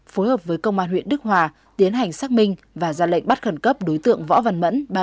phối hợp với công an huyện đức hòa tiến hành xác minh và ra lệnh bắt khẩn cấp đối tượng võ văn mẫn